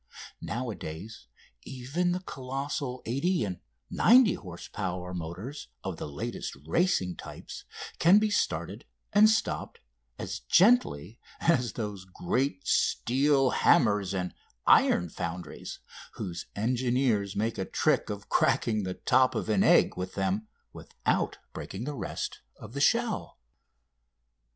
Nowadays, even the colossal 80 and 90 horse power motors of the latest racing types can be started and stopped as gently as those great steel hammers in iron foundries, whose engineers make a trick of cracking the top of an egg with them without breaking the rest of the shell.